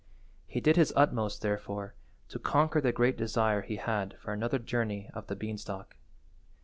He did his utmost, therefore, to conquer the great desire he had for another journey up the beanstalk.